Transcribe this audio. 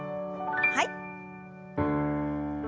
はい。